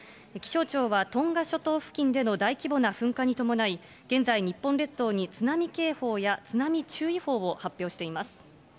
気象庁はトンガ諸島付近での大規模な噴火に伴い、現在、日本列島に津波警報や津波注意報を発表しています。